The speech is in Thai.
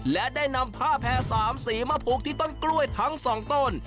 และได้นำผ้าแพร่๓สีมาผูกที่ต้นกล้วยทั้ง๒ต้น